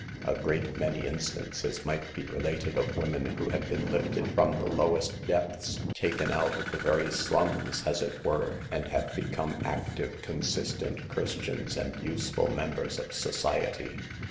246 SAVE THE GIRLS. A great many instances might be related of women who have been lifted from the lowest depths, taken out of the very slums, as it were, and have become active, consistent Christians and useful members of society.